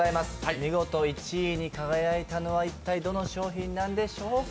見事１位に輝いたのは一体どの商品なんでしょうか？